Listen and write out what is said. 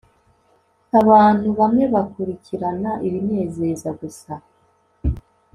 abantu bamwe bakurikirana ibinezeza gusa